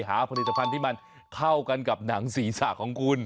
หาผลิตภัณฑ์ที่มันเข้ากันกับหนังศีรษะของคุณ